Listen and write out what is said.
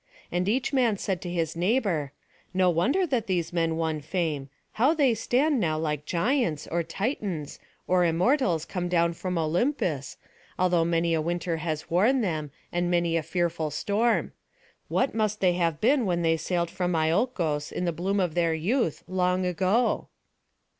And each man said to his neighbour: "No wonder that these men won fame. How they stand now like Giants, or Titans, or Immortals come down from Olympus, though many a winter has worn them, and many a fearful storm. What must they have been when they sailed from Iolcos, in the bloom of their youth, long ago?"